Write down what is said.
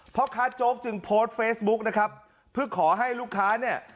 พ่อค้าโจ๊กจึงโพสต์เฟซบุ๊กนะครับเพื่อขอให้ลูกค้าเนี่ย